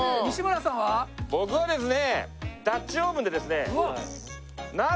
僕はですね。